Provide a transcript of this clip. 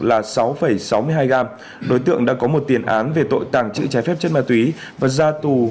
là sáu sáu mươi hai gram đối tượng đã có một tiền án về tội tàng trữ trái phép chất ma túy và ra tù